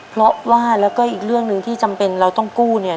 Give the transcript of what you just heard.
เพราะว่าแล้วก็อีกเรื่องหนึ่งที่จำเป็นเราต้องกู้เนี่ย